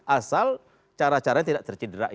asal cara caranya tidak tercederai